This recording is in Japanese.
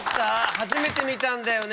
初めて見たんだよね？